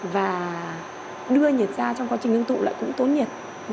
và đưa nhiệt ra trong quá trình ngưng tụ lại cũng tốn nhiệt